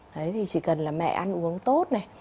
đấy thì chỉ cần là mẹ ăn uống tốt này